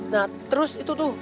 nah terus itu tuh